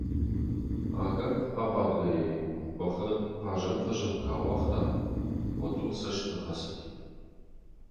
Агӕпп-абадгӕйӕ-иу бӕхы Хъазӕн фӕзыл куы ауагъта, уӕд ыл цӕст нӕ хӕцыди.